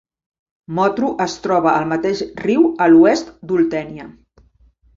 Motru es troba al mateix riu a l'oest d'Oltènia.